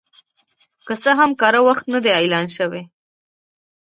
که څه هم کره وخت نه دی اعلان شوی